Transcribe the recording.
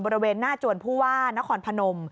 บริเวณหน้าจวนภูวาณครพ